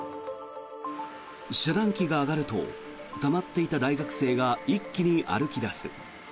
遮断機が上がるとたまっていた大学生が一気に歩き出す。